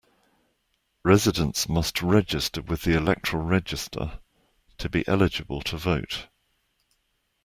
Residents must register with the electoral register to be eligible to vote.